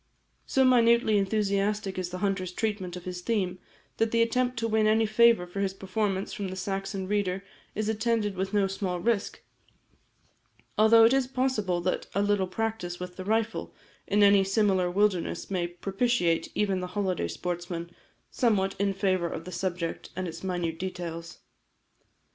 So minutely enthusiastic is the hunter's treatment of his theme, that the attempt to win any favour for his performance from the Saxon reader, is attended with no small risk, although it is possible that a little practice with the rifle in any similar wilderness may propitiate even the holiday sportsman somewhat in favour of the subject and its minute details.